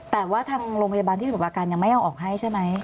แต่ว่าทางโรงพยาบาลที่สมุทรประการยังไม่เอาออกให้ใช่ไหม